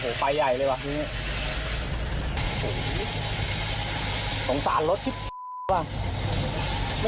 โห้ไฟใหญ่เลยว่ะอย่างนี้